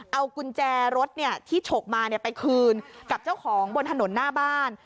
เอากุญแจรถที่ฉกมาไปคืนกับเจ้าของบนถนนหน้าบ้าน